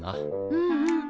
うんうん。